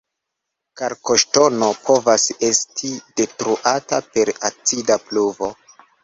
Kalkoŝtono povas esti detruata per acida pluvo.